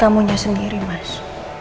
kamunya sendiri mas